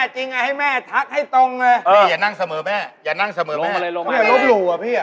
คุณแม่มีท่าเหมือนลูกไม่